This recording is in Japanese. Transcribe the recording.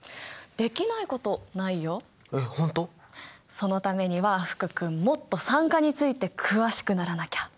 そのためには福君もっと酸化について詳しくならなきゃ！